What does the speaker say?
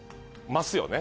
ますよね？